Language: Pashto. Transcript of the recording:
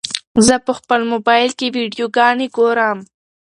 زه په خپل موبایل کې ویډیوګانې ګورم.